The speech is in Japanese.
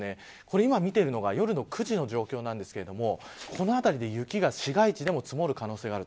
今見ているのが夜の９時の状況なんですけれどもこのあたりで雪が市街地でも積もる可能性がある。